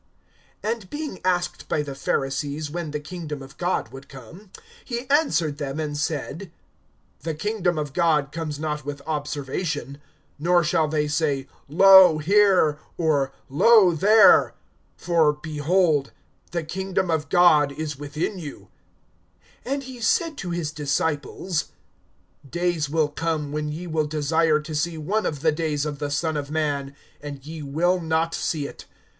(20)And being asked by the Pharisees, when the kingdom of God would come, he answered them and said: The kingdom of God comes not with observation; (21)nor shall they say, Lo here! or, Lo there! for, behold, the kingdom of God is within you[17:21]. (22)And he said to the disciples: Days will come, when ye will desire to see one of the days of the Son of man, and ye will not see it.